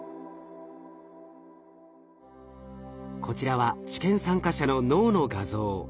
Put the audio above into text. こちらは治験参加者の脳の画像。